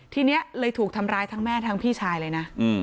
ทีนี้เลยถูกทำร้ายทั้งแม่ทั้งพี่ชายเลยนะ